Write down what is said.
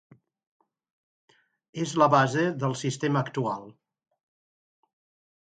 És la base del sistema actual.